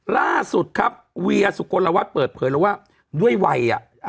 ล่าสุดครับเวียสุกลวัฒน์เปิดเผยแล้วว่าด้วยวัยอ่ะ